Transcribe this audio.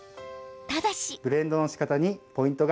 ただし。